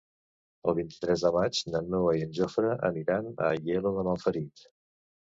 El vint-i-tres de maig na Noa i en Jofre aniran a Aielo de Malferit.